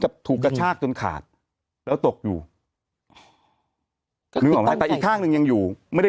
ถูกกระชากจนขาดแล้วตกอยู่นึกออกไหมแต่อีกข้างหนึ่งยังอยู่ไม่ได้